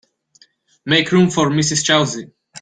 Make room for Mrs. Chelsea.